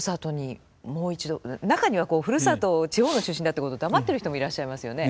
中にはふるさとを地方の出身だっていうことを黙ってる人もいらっしゃいますよね。